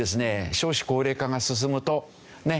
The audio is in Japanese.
少子高齢化が進むとねっ？